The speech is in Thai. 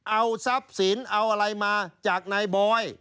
เอาทรัพย์สินเอาอะไรมาจากนายบอย